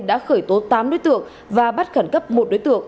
đã khởi tố tám đối tượng và bắt khẩn cấp một đối tượng